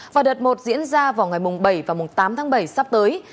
và đợt một diễn ra vào ngày bảy và tám tháng bảy sắp tới